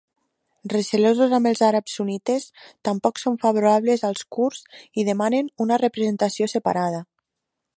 Recelosos amb els àrabs sunnites, tampoc són favorables als kurds i demanen una representació separada.